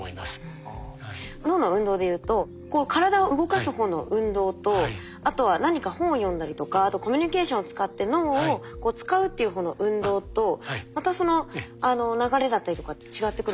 脳の運動でいうとこう体を動かす方の運動とあとは何か本を読んだりとかあとコミュニケーションを使って脳を使うっていう方の運動とまたその流れだったりとかって違ってくるんですか？